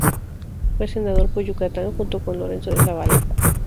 Fue senador por Yucatán junto con Lorenzo de Zavala.